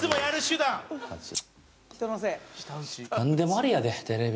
なんでもありやでテレビ。